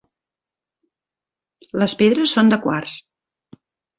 Les pedres són de quars.